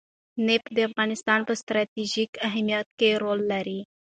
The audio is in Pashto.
نفت د افغانستان په ستراتیژیک اهمیت کې رول لري.